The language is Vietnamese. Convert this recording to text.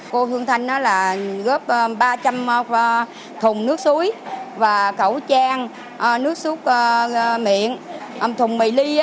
cô hương thanh góp ba trăm linh thùng nước suối và khẩu trang nước súc miệng thùng mì ly